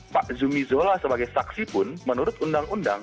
pak zumizola sebagai saksi pun menurut undang undang